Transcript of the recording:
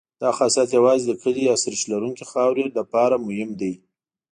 دا خاصیت یوازې د کلې یا سریښ لرونکې خاورې لپاره مهم دی